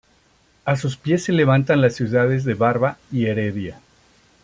A sus pies se levantan las ciudades de Barva y Heredia.